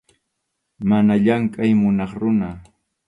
Mana llamkʼay munaq runa.